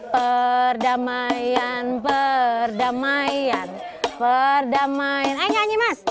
perdamaian perdamaian perdamaian ayo nyanyi mas